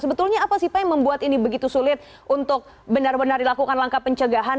sebetulnya apa sih pak yang membuat ini begitu sulit untuk benar benar dilakukan langkah pencegahan